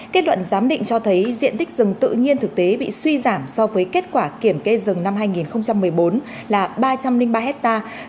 kết luận giám định cho thấy diện tích rừng tự nhiên thực tế bị suy giảm so với kết quả kiểm kê rừng năm hai nghìn một mươi bốn là ba trăm linh ba hectare